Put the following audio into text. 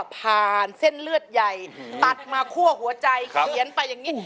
ผ่านเส้นเลือดใหญ่ตัดมาคั่วหัวใจเขียนไปอย่างนี้